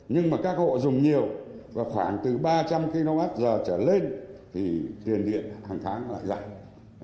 nhưng mà các hộ dùng nhiều và khoảng từ ba trăm linh kwh trở lên thì tiền điện hàng tháng lại giảm